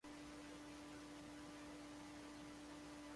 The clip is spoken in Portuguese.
O Linux é um sistema operacional aberto.